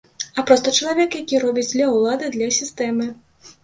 А проста чалавек, які робіць для ўлады, для сістэмы.